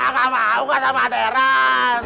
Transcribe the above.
ga mau ga sama deren